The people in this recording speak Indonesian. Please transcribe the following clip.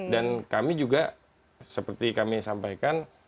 dan kami juga seperti kami sampaikan